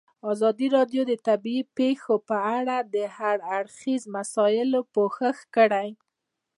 ازادي راډیو د طبیعي پېښې په اړه د هر اړخیزو مسایلو پوښښ کړی.